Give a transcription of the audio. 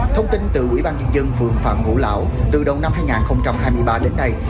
thông tin từ ủy ban dân dân phường phạm vũ lão từ đầu năm hai nghìn hai mươi ba đến nay